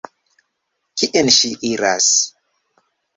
Kien ŝi iras?